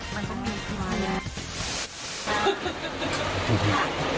มันต้องมีขึ้นมาแล้ว